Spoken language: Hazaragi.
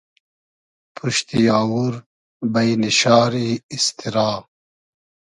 پوشتی آوور بݷنی شاری ایستیرا